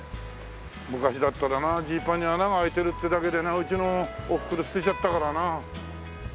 昔だったらなジーパンに穴が開いてるってだけでうちのおふくろ捨てちゃったからな。